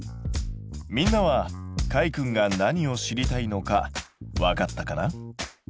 みんなはかいくんが何を知りたいのかわかったかな？